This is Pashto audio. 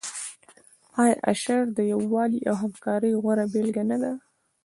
آیا اشر د یووالي او همکارۍ غوره بیلګه نه ده؟